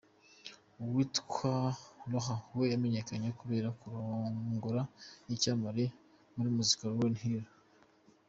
Uwitwa Rohan, we yamenyekanye kubera kurongora icyamamare muri muzika Lauryn Hill.